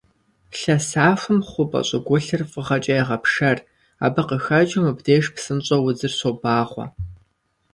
Лъэсахуэм хъупӀэ щӀыгулъыр фыгъэкӀэ егъэпшэр, абы къыхэкӀыу мыбдеж псынщӀэу удзыр щобагъуэ.